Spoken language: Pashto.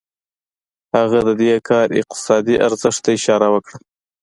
هغه د دې کار اقتصادي ارزښت ته اشاره وکړه